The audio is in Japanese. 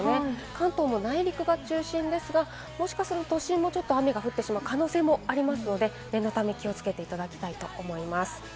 関東も内陸が中心ですが、もしかすると都心も少し雨が降ってしまう可能性もありますので、気をつけていただきたいと思います。